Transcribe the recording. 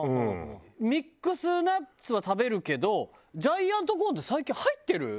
ミックスナッツは食べるけどジャイアントコーンって最近入ってる？